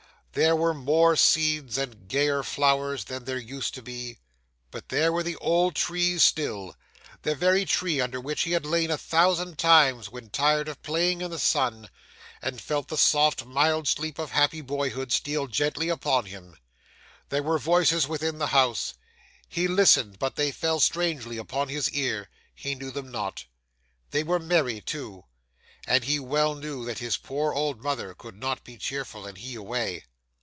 There were more seeds and gayer flowers than there used to be, but there were the old trees still the very tree under which he had lain a thousand times when tired of playing in the sun, and felt the soft, mild sleep of happy boyhood steal gently upon him. There were voices within the house. He listened, but they fell strangely upon his ear; he knew them not. They were merry too; and he well knew that his poor old mother could not be cheerful, and he away.